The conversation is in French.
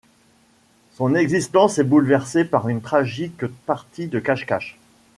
Son existence est bouleversée par une tragique partie de cache-cache.